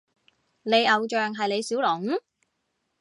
你偶像係李小龍？